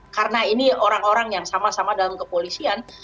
karena ini orang orang yang sama sama dalam kepolisian